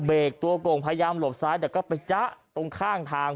ตัวโก่งพยายามหลบซ้ายแต่ก็ไปจ๊ะตรงข้างทาง